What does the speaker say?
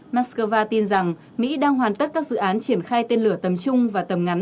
moscow tin rằng mỹ đang hoàn tất các dự án triển khai tên lửa tầm trung và tầm ngắn